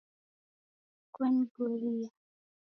Kwanigoria